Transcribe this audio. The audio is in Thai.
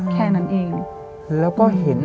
แค่นั้นเองแล้วก็เห็น